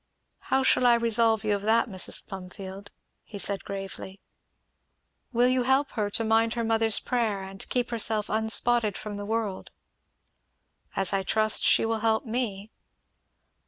"How shall I resolve you of that, Mrs. Plumfield?" he said gravely. "Will you help her to mind her mother's prayer and keep herself unspotted from the world?" "As I trust she will help me."